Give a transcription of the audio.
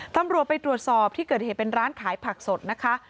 ตำรวจไปตรวจสอบที่เกิดเหตุเป็นร้านขายผักสดนะคะ